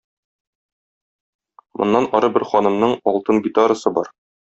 Моннан ары бер ханымның алтын гитарасы бар.